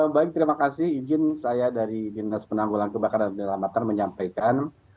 baik terima kasih izin saya dari dinas penanggulan kebakaran dan penyelamatan menyampaikan